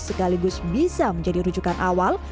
sekaligus bisa menjadi rujukan awal